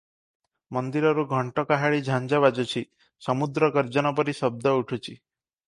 ମନ୍ଦିରରୁ ଘଣ୍ଟ କାହାଳି ଝାଞ୍ଜ ବାଜୁଛି, ସମୁଦ୍ର ଗର୍ଜନ ପରି ଶବ୍ଦ ଉଠୁଛି ।